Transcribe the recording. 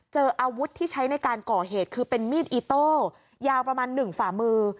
อาวุธที่ใช้ในการก่อเหตุคือเป็นมีดอิโต้ยาวประมาณ๑ฝ่ามือ